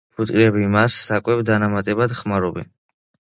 ფუტკრები მას საკვებ დანამატად ხმარობენ.